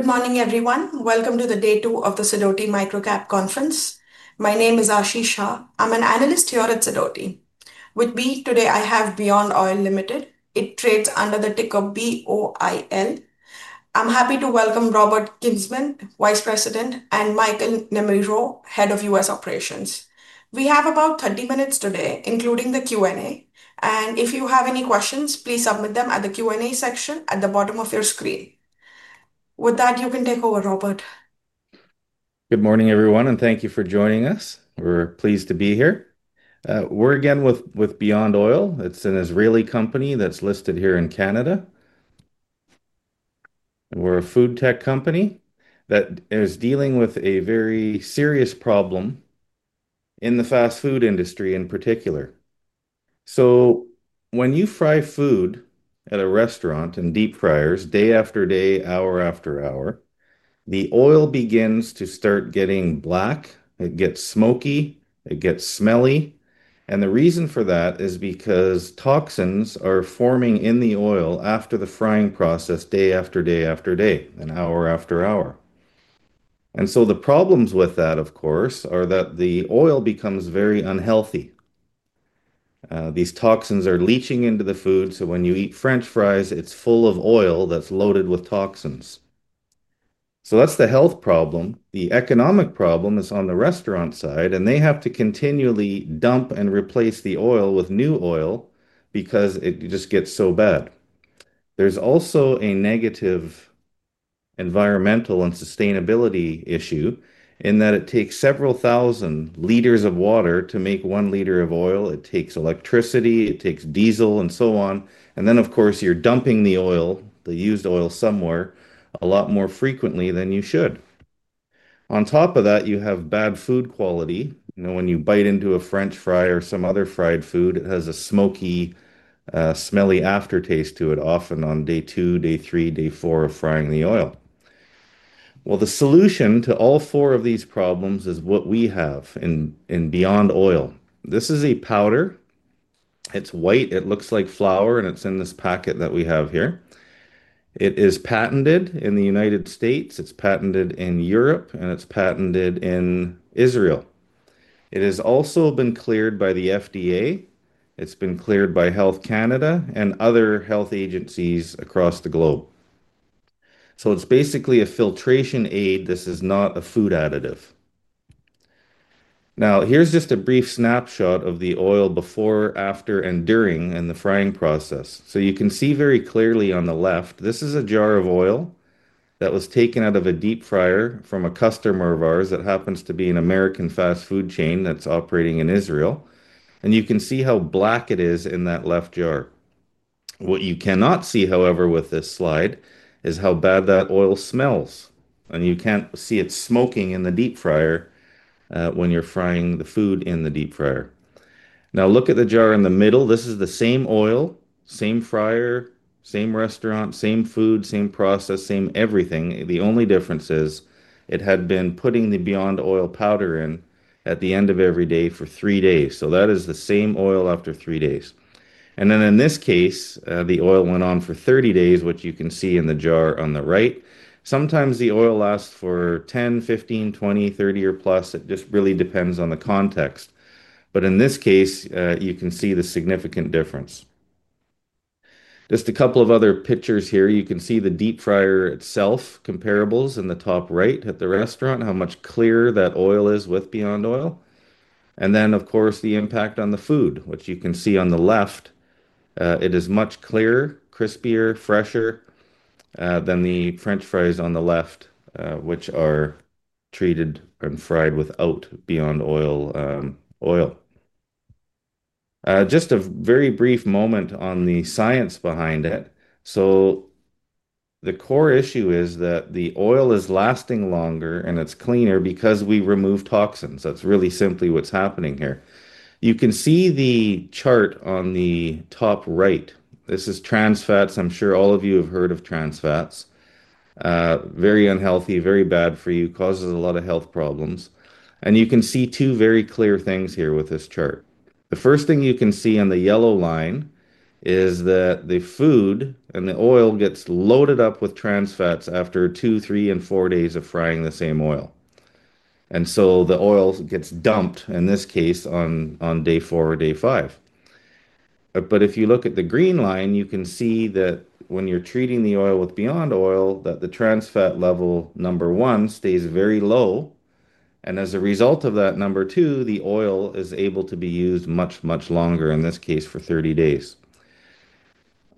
Good morning, everyone. Welcome to day two of the Siddharti Micro Cap Conference. My name is Arshie Shah. I'm an analyst here at Siddharti. With me today, I have Beyond Oil Ltd. It trades under the ticker BOIL. I'm happy to welcome Robert Kinsman, Vice President, and Michael Nemiro, Head of US Operations. We have about 30 minutes today, including the Q&A. If you have any questions, please submit them at the Q&A section at the bottom of your screen. With that, you can take over, Robert. Good morning, everyone, and thank you for joining us. We're pleased to be here. We're again with Beyond Oil. It's an Israeli company that's listed here in Canada. We're a food tech company that is dealing with a very serious problem in the fast food industry in particular. When you fry food at a restaurant in deep fryers, day after day, hour after hour, the oil begins to start getting black. It gets smoky. It gets smelly. The reason for that is because toxins are forming in the oil after the frying process, day after day after day, hour after hour. The problems with that, of course, are that the oil becomes very unhealthy. These toxins are leaching into the food. When you eat French fries, it's full of oil that's loaded with toxins. That's the health problem. The economic problem is on the restaurant side, and they have to continually dump and replace the oil with new oil because it just gets so bad. There's also a negative environmental and sustainability issue in that it takes several thousand liters of water to make one liter of oil. It takes electricity, it takes diesel, and so on. Of course, you're dumping the oil, the used oil, somewhere a lot more frequently than you should. On top of that, you have bad food quality. You know, when you bite into a French fry or some other fried food, it has a smoky, smelly aftertaste to it, often on day two, day three, day four of frying the oil. The solution to all four of these problems is what we have in Beyond Oil. This is a powder. It's white. It looks like flour, and it's in this packet that we have here. It is patented in the United States. It's patented in Europe, and it's patented in Israel. It has also been cleared by the FDA. It's been cleared by Health Canada and other health agencies across the globe. It's basically a filtration aid. This is not a food additive. Now, here's just a brief snapshot of the oil before, after, and during the frying process. You can see very clearly on the left, this is a jar of oil that was taken out of a deep fryer from a customer of ours that happens to be an American fast food chain that's operating in Israel. You can see how black it is in that left jar. What you cannot see, however, with this slide, is how bad that oil smells. You can't see it smoking in the deep fryer when you're frying the food in the deep fryer. Now look at the jar in the middle. This is the same oil, same fryer, same restaurant, same food, same process, same everything. The only difference is it had been putting the Beyond Oil powder in at the end of every day for three days. That is the same oil after three days. In this case, the oil went on for 30 days, which you can see in the jar on the right. Sometimes the oil lasts for 10, 15, 20, 30, or plus. It just really depends on the context. In this case, you can see the significant difference. Just a couple of other pictures here. You can see the deep fryer itself, comparables in the top right at the restaurant, how much clearer that oil is with Beyond Oil. Of course, the impact on the food, which you can see on the left. It is much clearer, crispier, fresher than the French fries on the left, which are treated and fried without Beyond Oil oil. Just a very brief moment on the science behind it. The core issue is that the oil is lasting longer and it's cleaner because we remove toxins. That's really simply what's happening here. You can see the chart on the top right. This is trans fats. I'm sure all of you have heard of trans fats. Very unhealthy, very bad for you, causes a lot of health problems. You can see two very clear things here with this chart. The first thing you can see on the yellow line is that the food and the oil get loaded up with trans fats after two, three, and four days of frying the same oil. The oil gets dumped, in this case, on day four or day five. If you look at the green line, you can see that when you're treating the oil with Beyond Oil, the trans fat level, number one, stays very low. As a result of that, number two, the oil is able to be used much, much longer, in this case, for 30 days.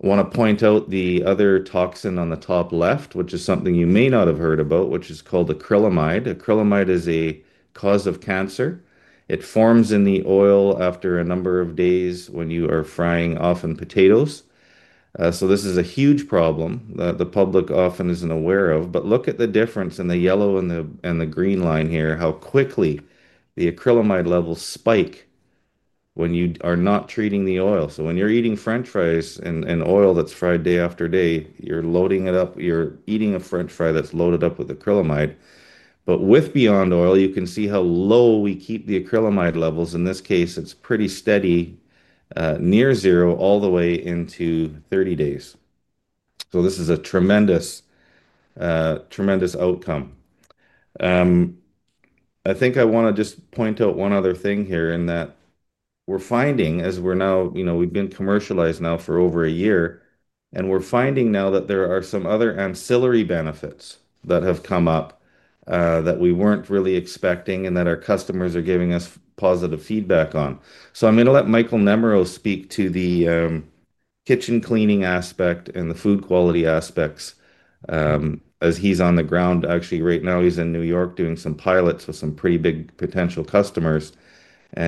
I want to point out the other toxin on the top left, which is something you may not have heard about, which is called acrylamide. Acrylamide is a cause of cancer. It forms in the oil after a number of days when you are frying often potatoes. This is a huge problem that the public often isn't aware of. Look at the difference in the yellow and the green line here, how quickly the acrylamide levels spike when you are not treating the oil. When you're eating French fries and oil that's fried day after day, you're loading it up. You're eating a French fry that's loaded up with acrylamide. With Beyond Oil, you can see how low we keep the acrylamide levels. In this case, it's pretty steady, near zero, all the way into 30 days. This is a tremendous, tremendous outcome. I think I want to just point out one other thing here in that we're finding, as we're now, you know, we've been commercialized now for over a year, and we're finding now that there are some other ancillary benefits that have come up that we weren't really expecting and that our customers are giving us positive feedback on. I'm going to let Michael Nemiro speak to the kitchen cleaning aspect and the food quality aspects as he's on the ground. Actually, right now he's in New York doing some pilots with some pretty big potential customers, and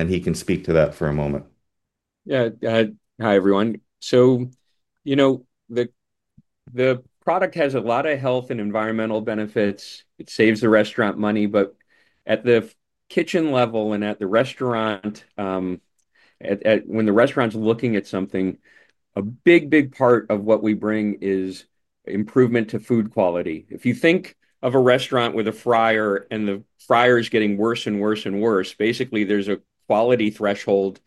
he can speak to that for a moment. Yeah, hi everyone. The product has a lot of health and environmental benefits. It saves the restaurant money, but at the kitchen level and at the restaurant, when the restaurant's looking at something, a big, big part of what we bring is improvement to food quality. If you think of a restaurant with a fryer and the fryer is getting worse and worse and worse, basically there's a quality threshold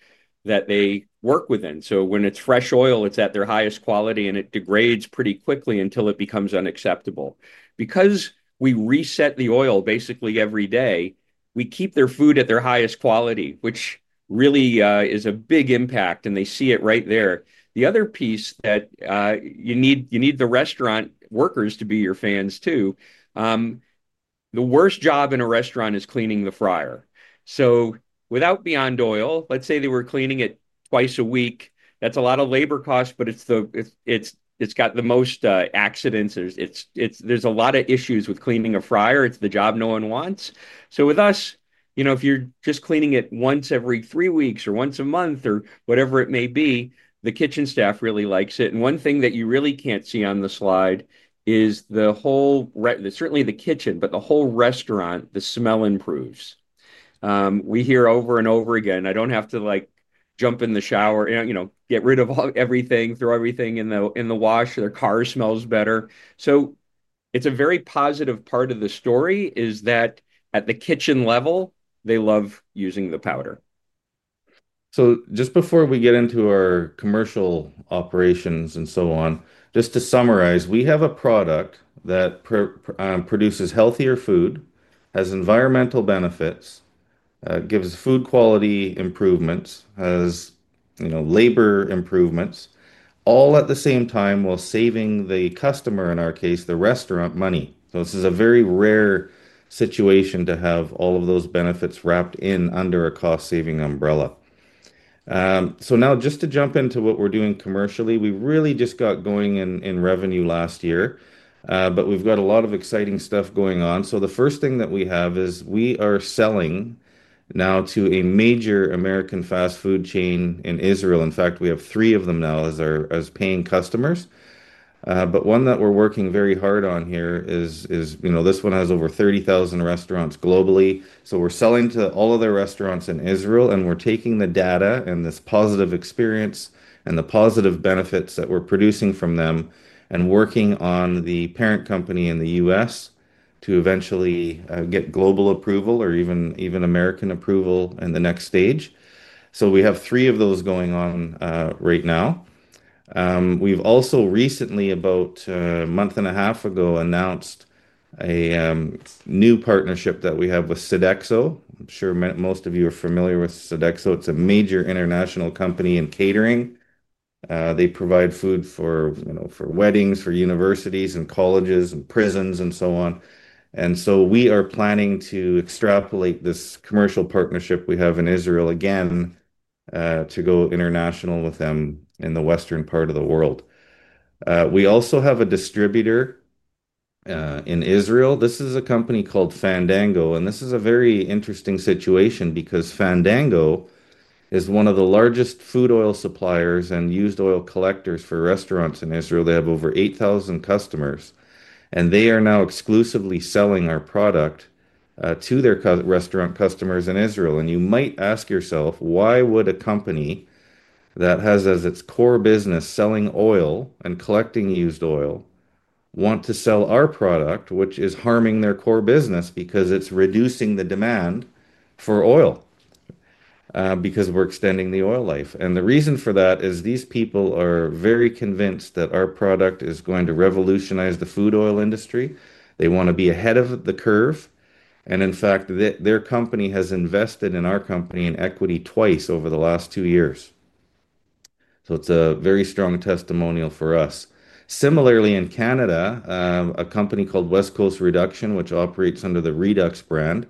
that they work within. When it's fresh oil, it's at their highest quality and it degrades pretty quickly until it becomes unacceptable. Because we reset the oil basically every day, we keep their food at their highest quality, which really is a big impact and they see it right there. The other piece that you need, you need the restaurant workers to be your fans too. The worst job in a restaurant is cleaning the fryer. Without Beyond Oil, let's say they were cleaning it twice a week. That's a lot of labor costs, but it's got the most accidents. There's a lot of issues with cleaning a fryer. It's the job no one wants. With us, if you're just cleaning it once every three weeks or once a month or whatever it may be, the kitchen staff really likes it. One thing that you really can't see on the slide is the whole, certainly the kitchen, but the whole restaurant, the smell improves. We hear over and over again, I don't have to like jump in the shower, you know, get rid of everything, throw everything in the wash, the car smells better. It's a very positive part of the story is that at the kitchen level, they love using the powder. Just before we get into our commercial operations and so on, just to summarize, we have a product that produces healthier food, has environmental benefits, gives food quality improvements, has, you know, labor improvements, all at the same time while saving the customer, in our case, the restaurant, money. This is a very rare situation to have all of those benefits wrapped in under a cost-saving umbrella. Now, just to jump into what we're doing commercially, we really just got going in revenue last year, but we've got a lot of exciting stuff going on. The first thing that we have is we are selling now to a major American fast food chain in Israel. In fact, we have three of them now as paying customers. One that we're working very hard on here is, you know, this one has over 30,000 restaurants globally. We're selling to all of their restaurants in Israel, and we're taking the data and this positive experience and the positive benefits that we're producing for them and working on the parent company in the U.S. to eventually get global approval or even American approval in the next stage. We have three of those going on right now. We've also recently, about a month and a half ago, announced a new partnership that we have with Sodexo. I'm sure most of you are familiar with Sodexo. It's a major international company in catering. They provide food for weddings, for universities and colleges and prisons and so on. We are planning to extrapolate this commercial partnership we have in Israel again to go international with them in the western part of the world. We also have a distributor in Israel. This is a company called Fandango, and this is a very interesting situation because Fandango is one of the largest food oil suppliers and used oil collectors for restaurants in Israel. They have over 8,000 customers, and they are now exclusively selling our product to their restaurant customers in Israel. You might ask yourself, why would a company that has as its core business selling oil and collecting used oil want to sell our product, which is harming their core business because it's reducing the demand for oil because we're extending the oil life. The reason for that is these people are very convinced that our product is going to revolutionize the food oil industry. They want to be ahead of the curve. In fact, their company has invested in our company in equity twice over the last two years. It's a very strong testimonial for us. Similarly, in Canada, a company called West Coast Reduction, which operates under the Redux brand,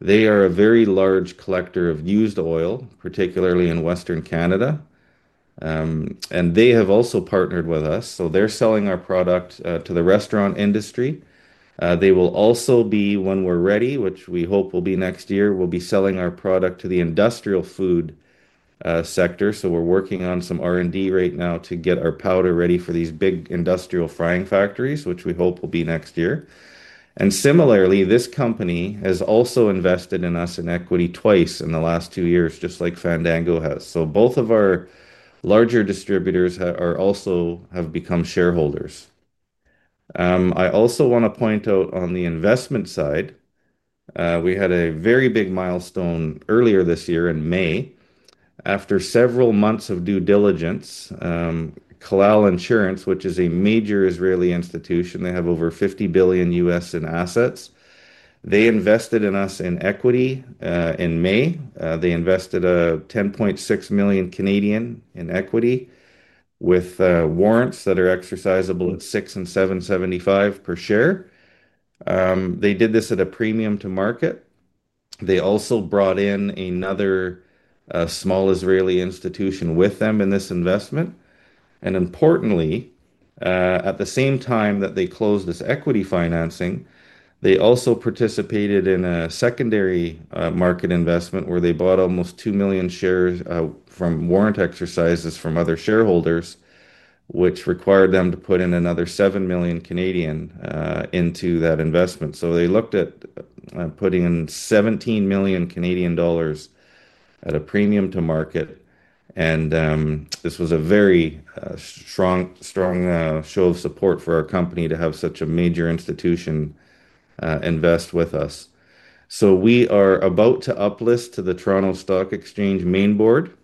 is a very large collector of used oil, particularly in western Canada. They have also partnered with us. They're selling our product to the restaurant industry. They will also be, when we're ready, which we hope will be next year, selling our product to the industrial food sector. We're working on some R&D right now to get our powder ready for these big industrial frying factories, which we hope will be next year. Similarly, this company has also invested in us in equity twice in the last two years, just like Fandango has. Both of our larger distributors have also become shareholders. I also want to point out on the investment side, we had a very big milestone earlier this year in May. After several months of due diligence, Clal Insurance, which is a major Israeli institution, has over $50 billion U.S. in assets. They invested in us in equity in May. They invested $10.6 million Canadian in equity with warrants that are exercisable at $6.775 per share. They did this at a premium to market. They also brought in another small Israeli institution with them in this investment. Importantly, at the same time that they closed this equity financing, they also participated in a secondary market investment where they bought almost 2 million shares from warrant exercises from other shareholders, which required them to put in another $7 million Canadian into that investment. They looked at putting in $17 million Canadian at a premium to market. This was a very strong show of support for our company to have such a major institution invest with us. We are about to uplist to the Toronto Stock Exchange Main Board.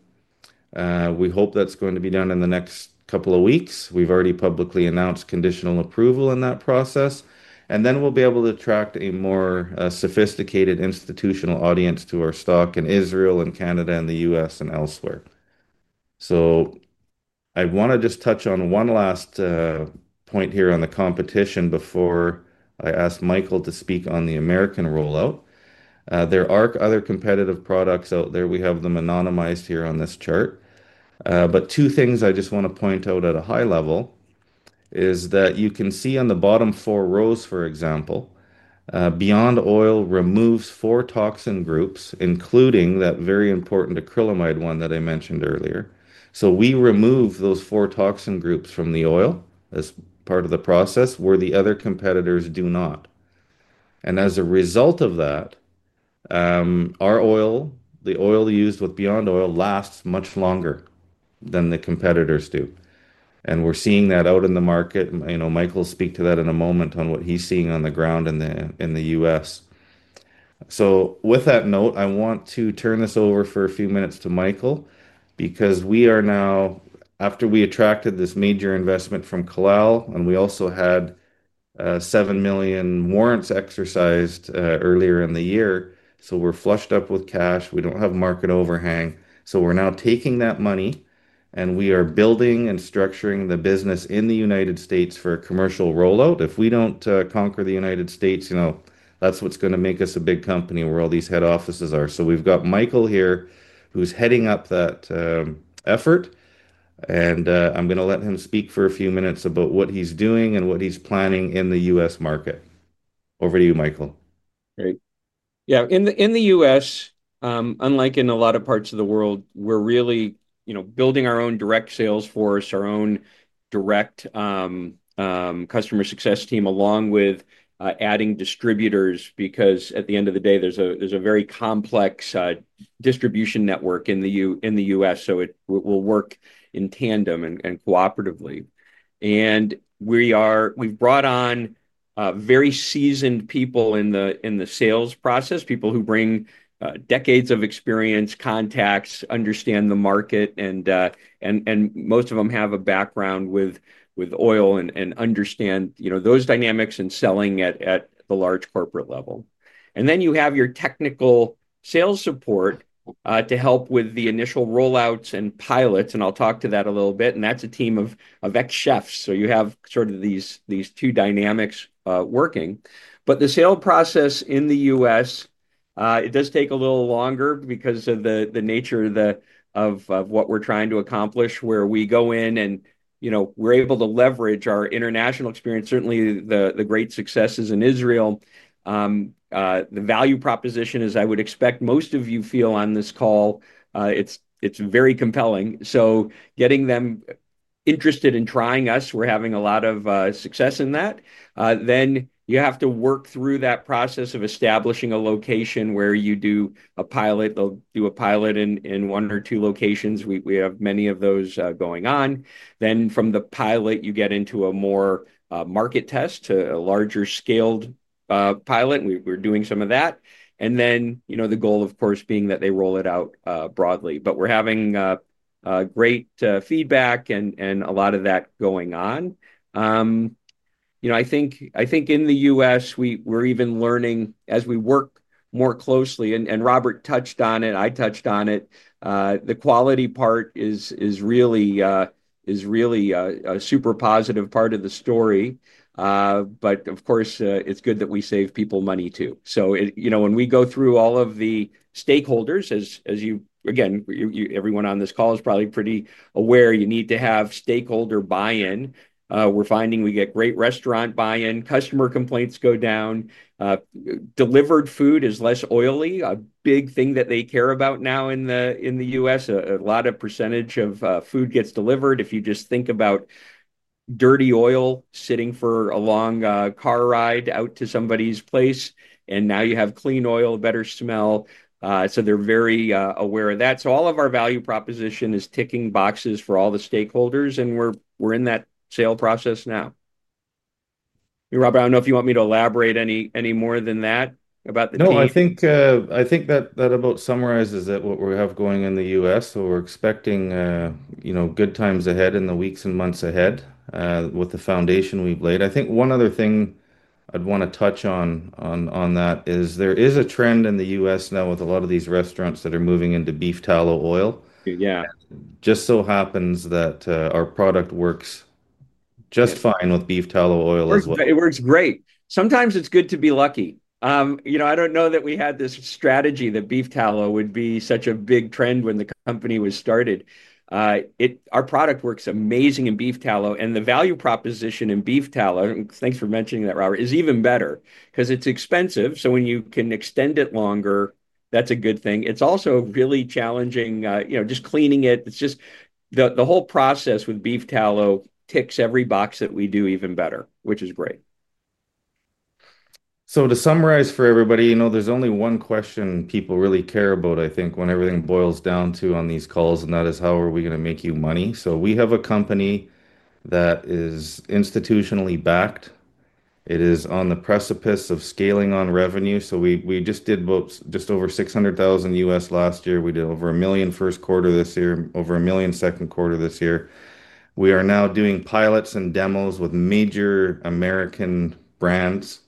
We hope that's going to be done in the next couple of weeks. We've already publicly announced conditional approval in that process. We'll be able to attract a more sophisticated institutional audience to our stock in Israel, Canada, the U.S., and elsewhere. I want to just touch on one last point here on the competition before I ask Michael to speak on the American rollout. There are other competitive products out there. We have them anonymized here on this chart. Two things I just want to point out at a high level are that you can see on the bottom four rows, for example, Beyond Oil removes four toxin groups, including that very important acrylamide one that I mentioned earlier. We remove those four toxin groups from the oil as part of the process, where the other competitors do not. As a result of that, our oil, the oil used with Beyond Oil, lasts much longer than the competitors do. We're seeing that out in the market. I know Michael will speak to that in a moment on what he's seeing on the ground in the U.S. With that note, I want to turn this over for a few minutes to Michael because we are now, after we attracted this major investment from Clal Insurance, and we also had $7 million warrants exercised earlier in the year, so we're flushed up with cash. We don't have market overhang. We're now taking that money and we are building and structuring the business in the United States for a commercial rollout. If we don't conquer the United States, you know, that's what's going to make us a big company where all these head offices are. We've got Michael here, who's heading up that effort. I'm going to let him speak for a few minutes about what he's doing and what he's planning in the U.S. market. Over to you, Michael. Great. Yeah, in the U.S., unlike in a lot of parts of the world, we're really building our own direct sales force, our own direct customer success team, along with adding distributors because at the end of the day, there's a very complex distribution network in the U.S. It will work in tandem and cooperatively. We've brought on very seasoned people in the sales process, people who bring decades of experience, contacts, understand the market, and most of them have a background with oil and understand those dynamics and selling at the large corporate level. You have your technical sales support to help with the initial rollouts and pilots, and I'll talk to that a little bit, and that's a team of ex-chefs. You have sort of these two dynamics working. The sale process in the U.S. does take a little longer because of the nature of what we're trying to accomplish, where we go in and we're able to leverage our international experience, certainly the great successes in Israel. The value proposition, as I would expect most of you feel on this call, it's very compelling. Getting them interested in trying us, we're having a lot of success in that. You have to work through that process of establishing a location where you do a pilot. They'll do a pilot in one or two locations. We have many of those going on. From the pilot, you get into a more market test to a larger scaled pilot. We're doing some of that. The goal, of course, being that they roll it out broadly. We're having great feedback and a lot of that going on. I think in the U.S., we're even learning as we work more closely, and Robert touched on it, I touched on it, the quality part is really a super positive part of the story. Of course, it's good that we save people money too. When we go through all of the stakeholders, as you, again, everyone on this call is probably pretty aware, you need to have stakeholder buy-in. We're finding we get great restaurant buy-in, customer complaints go down, delivered food is less oily, a big thing that they care about now in the U.S. A lot of % of food gets delivered. If you just think about dirty oil sitting for a long car ride out to somebody's place, and now you have clean oil, better smell. They're very aware of that. All of our value proposition is ticking boxes for all the stakeholders, and we're in that sale process now. Robert, I don't know if you want me to elaborate any more than that about the team. No, I think that about summarizes it, what we have going in the U.S. We're expecting, you know, good times ahead in the weeks and months ahead with the foundation we've laid. I think one other thing I'd want to touch on is there is a trend in the U.S. now with a lot of these restaurants that are moving into beef tallow oil. Yeah. Just so happens that our product works just fine with beef tallow oil as well. It works great. Sometimes it's good to be lucky. I don't know that we had this strategy that beef tallow would be such a big trend when the company was started. Our product works amazing in beef tallow, and the value proposition in beef tallow, thanks for mentioning that, Robert, is even better because it's expensive. When you can extend it longer, that's a good thing. It's also really challenging, just cleaning it. The whole process with beef tallow ticks every box that we do even better, which is great. To summarize for everybody, you know, there's only one question people really care about, I think, when everything boils down to on these calls, and that is how are we going to make you money. We have a company that is institutionally backed. It is on the precipice of scaling on revenue. We just did just over $600,000 U.S. last year. We did over $1 million first quarter this year, over $1 million second quarter this year. We are now doing pilots and demos with major American brands.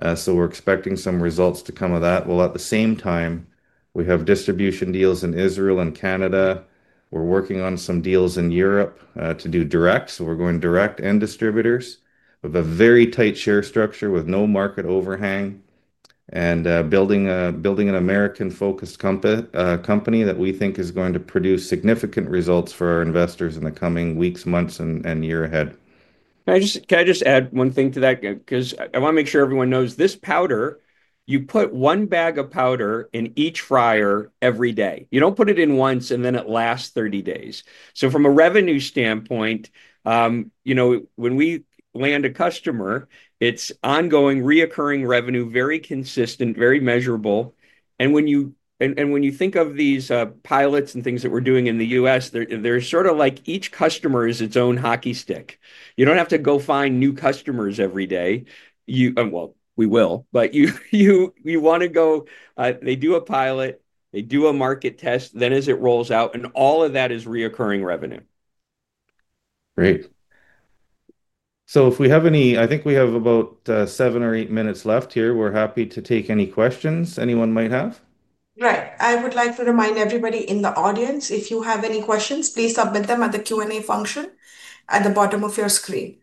We're expecting some results to come of that. At the same time, we have distribution deals in Israel and Canada. We're working on some deals in Europe to do direct. We're going direct and distributors with a very tight share structure with no market overhang and building an American-focused company that we think is going to produce significant results for our investors in the coming weeks, months, and year ahead. Can I just add one thing to that? I want to make sure everyone knows this powder, you put one bag of powder in each fryer every day. You don't put it in once and then it lasts 30 days. From a revenue standpoint, you know, when we land a customer, it's ongoing, recurring revenue, very consistent, very measurable. When you think of these pilots and things that we're doing in the U.S., they're sort of like each customer is its own hockey stick. You don't have to go find new customers every day. We will, but you want to go, they do a pilot, they do a market test, then as it rolls out, and all of that is recurring revenue. Great. If we have any, I think we have about seven or eight minutes left here. We're happy to take any questions anyone might have. Right. I would like to remind everybody in the audience, if you have any questions, please submit them at the Q&A function at the bottom of your screen.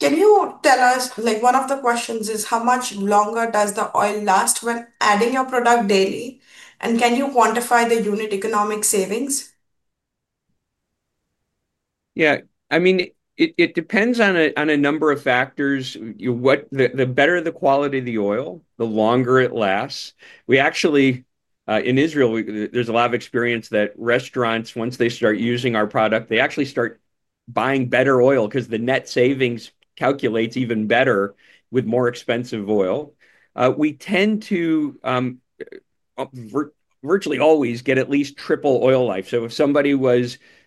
Can you tell us, like one of the questions is how much longer does the oil last when adding your product daily? Can you quantify the unit economic savings? Yeah, I mean, it depends on a number of factors. The better the quality of the oil, the longer it lasts. In Israel, there's a lot of experience that restaurants, once they start using our product, they actually start buying better oil because the net savings calculate even better with more expensive oil. We tend to virtually always get at least triple oil life. If somebody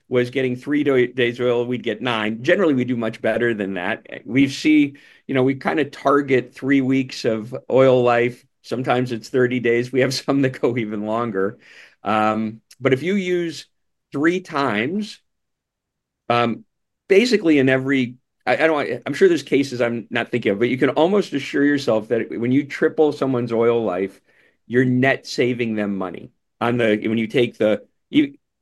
was getting three days oil, we'd get nine. Generally, we do much better than that. We see, you know, we kind of target three weeks of oil life. Sometimes it's 30 days. We have some that go even longer. If you use three times, basically in every, I don't know, I'm sure there's cases I'm not thinking of, but you can almost assure yourself that when you triple someone's oil life, you're net saving them money.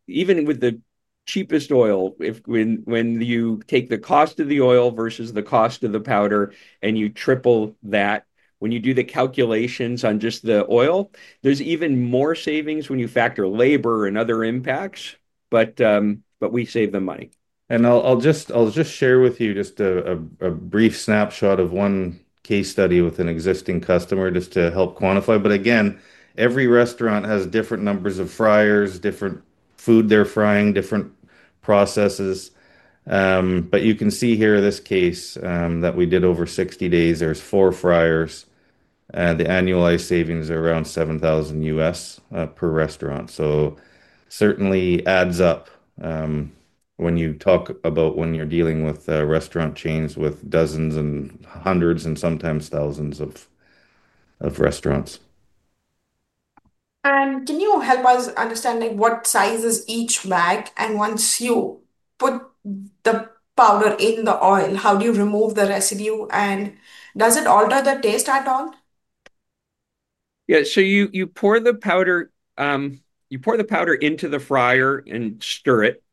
Even with the cheapest oil, when you take the cost of the oil versus the cost of the powder and you triple that, when you do the calculations on just the oil, there's even more savings when you factor labor and other impacts. We save them money. I'll just share with you a brief snapshot of one case study with an existing customer just to help quantify. Again, every restaurant has different numbers of fryers, different food they're frying, different processes. You can see here this case that we did over 60 days. There are four fryers. The annualized savings are around $7,000 U.S. per restaurant. It certainly adds up when you're dealing with restaurant chains with dozens and hundreds and sometimes thousands of restaurants. Can you help us understand what sizes each lack? Once you put the powder in the oil, how do you remove the residue? Does it alter the taste at all? Yeah, you pour the powder into the fryer and stir it.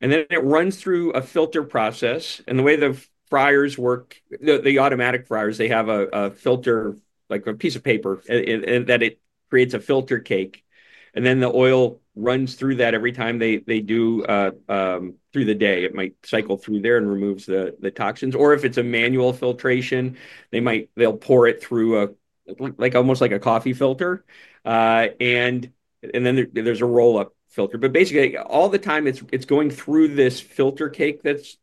It runs through a filter process. The way the fryers work, the automatic fryers, they have a filter, like a piece of paper, that creates a filter cake. The oil runs through that every time they do through the day. It might cycle through there and remove the toxins. If it's a manual filtration, they'll pour it through, almost like a coffee filter. There's a roll-up filter. Basically, all the time it's going through this filter cake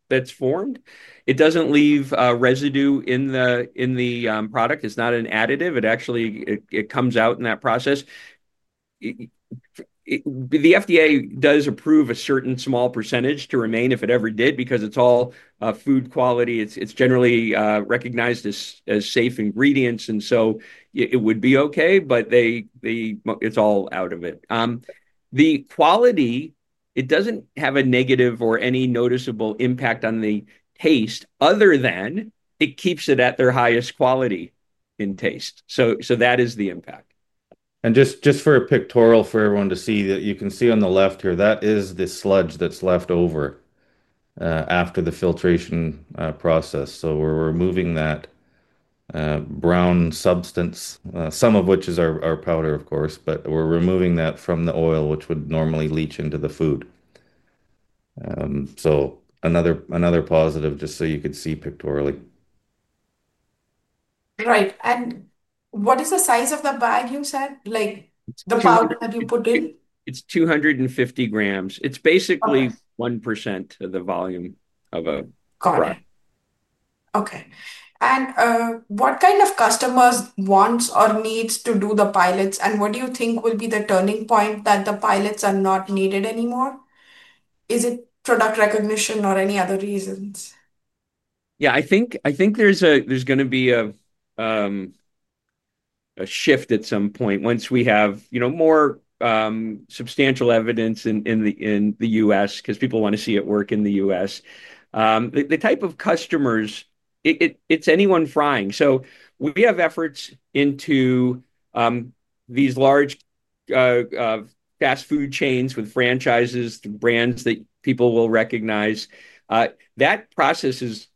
that's formed. It doesn't leave residue in the product. It's not an additive. It actually comes out in that process. The FDA does approve a certain small % to remain if it ever did because it's all food quality. It's generally recognized as safe ingredients, and it would be okay, but it's all out of it. The quality doesn't have a negative or any noticeable impact on the taste other than it keeps it at their highest quality in taste. That is the impact. Just for a pictorial for everyone to see, you can see on the left here, that is the sludge that's left over after the filtration process. We're removing that brown substance, some of which is our powder, of course, but we're removing that from the oil, which would normally leach into the food. Another positive just so you could see pictorially. Right. What is the size of the bag you said, like the powder that you put in? It's 250 grams. It's basically 1% of the volume of a product. Okay. What kind of customers want or need to do the pilots? What do you think will be the turning point that the pilots are not needed anymore? Is it product recognition or any other reasons? Yeah, I think there's going to be a shift at some point once we have more substantial evidence in the U.S. because people want to see it work in the U.S. The type of customers, it's anyone frying. We have efforts into these large fast food chains with franchises, the brands that people will recognize. That process is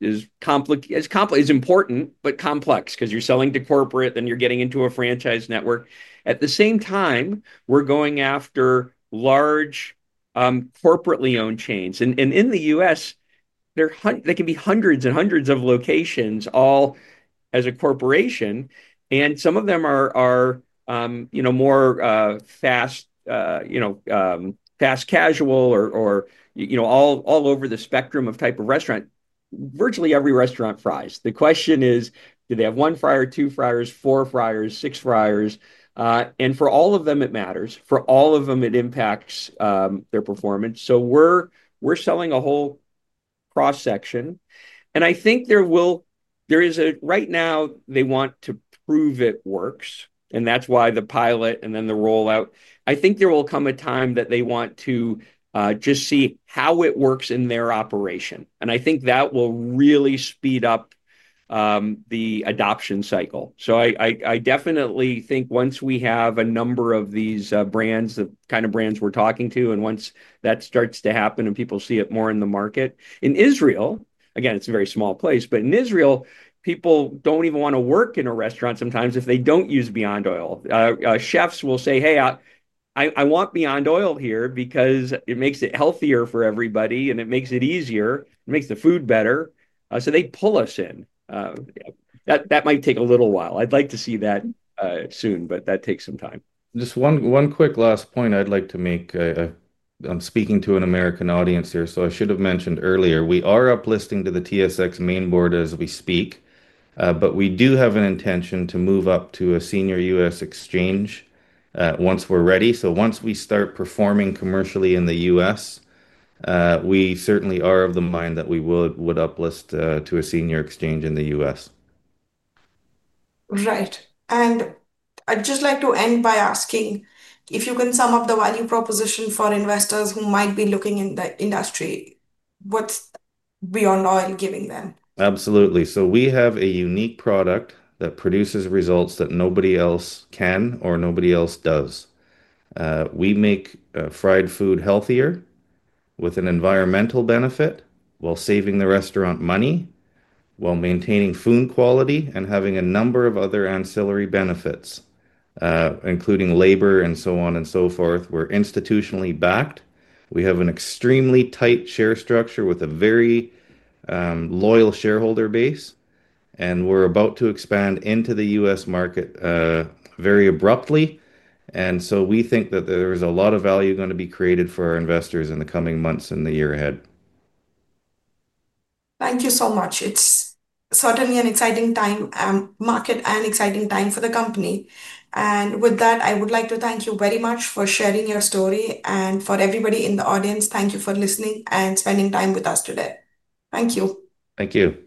important, but complex because you're selling to corporate and you're getting into a franchise network. At the same time, we're going after large corporately owned chains. In the U.S., there can be hundreds and hundreds of locations all as a corporation. Some of them are more fast casual or all over the spectrum of type of restaurant. Virtually every restaurant fries. The question is, do they have one fryer, two fryers, four fryers, six fryers? For all of them, it matters. For all of them, it impacts their performance. We're selling a whole cross section. I think there is a, right now, they want to prove it works. That's why the pilot and then the rollout. I think there will come a time that they want to just see how it works in their operation. I think that will really speed up the adoption cycle. I definitely think once we have a number of these brands, the kind of brands we're talking to, and once that starts to happen and people see it more in the market, in Israel, again, it's a very small place, but in Israel, people don't even want to work in a restaurant sometimes if they don't use Beyond Oil. Chefs will say, "Hey, I want Beyond Oil here because it makes it healthier for everybody and it makes it easier. It makes the food better." They pull us in. That might take a little while. I'd like to see that soon, but that takes some time. Just one quick last point I'd like to make on speaking to an American audience here. I should have mentioned earlier, we are uplisting to the TSX Main Board as we speak. We do have an intention to move up to a senior U.S. exchange once we're ready. Once we start performing commercially in the U.S., we certainly are of the mind that we would uplist to a senior exchange in the U.S. Right. I'd just like to end by asking if you can sum up the value proposition for investors who might be looking in the industry, what's Beyond Oil giving them? Absolutely. We have a unique product that produces results that nobody else can or nobody else does. We make fried food healthier with an environmental benefit while saving the restaurant money, maintaining food quality, and having a number of other ancillary benefits, including labor and so on and so forth. We're institutionally backed. We have an extremely tight share structure with a very loyal shareholder base. We're about to expand into the U.S. market very abruptly. We think that there is a lot of value going to be created for our investors in the coming months and the year ahead. Thank you so much. It's certainly an exciting time, a market and exciting time for the company. With that, I would like to thank you very much for sharing your story and for everybody in the audience. Thank you for listening and spending time with us today. Thank you. Thank you.